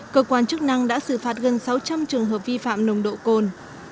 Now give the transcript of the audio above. cơ quan chức năng đã xử phạt gần sáu trăm linh trường hợp vi phạm nồng độ cồn